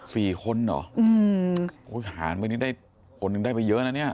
ฟรีคนเหรออืมโอ้ยผ่านเมื่อนี้ได้คนหนึ่งได้ไปเยอะนะเนี่ย